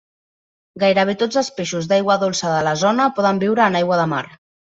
Gairebé tots els peixos d'aigua dolça de la zona poden viure en aigua de mar.